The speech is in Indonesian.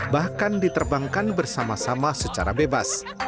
bahkan diterbangkan bersama sama secara bebas